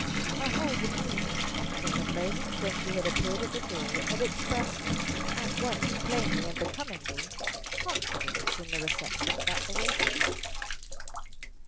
Her whole demeanor, from the moment when she had appeared at the door, had expressed at once plainly and becomingly confidence in the reception that awaited her.